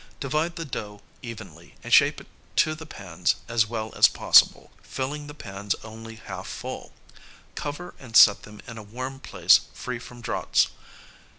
Divide the dough evenly and shape it to the pans as well as possible, filling the pans only half full. Cover and set them in a warm place free from draughts.